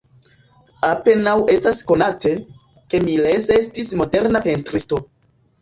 Apenaŭ estas konate, ke Miles estis moderna pentristo.